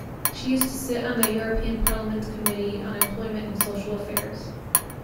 She used to sit on the European Parliament's Committee on Employment and Social Affairs.